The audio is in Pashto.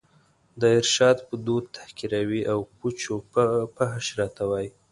د ارشاد په دود تحقیروي او پوچ و فحش راته وايي